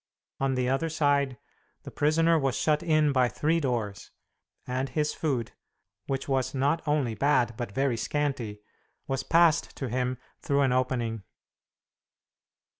On the other side the prisoner was shut in by three doors, and his food (which was not only bad, but very scanty) was passed to him through an opening.